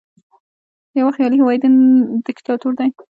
یوه خیالي هیواد دیکتاتور دی.